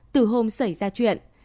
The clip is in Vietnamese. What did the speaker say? từ hôm xảy ra chuyện